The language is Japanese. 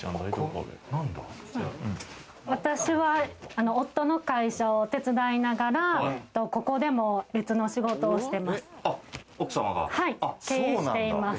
私は夫の会社を手伝いながら、ここでも別の仕事をしてます。